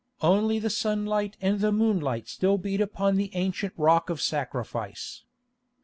Only the sunlight and the moonlight still beat upon the ancient Rock of Sacrifice.